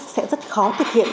sẽ rất khó thực hiện